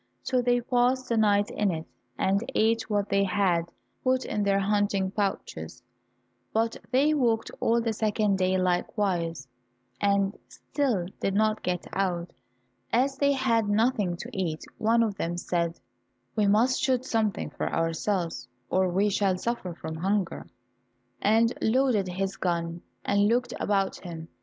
So they passed the night in it, and ate what they had put in their hunting pouches, but they walked all the second day likewise, and still did not get out. As they had nothing to eat, one of them said, "We must shoot something for ourselves or we shall suffer from hunger," and loaded his gun, and looked about him.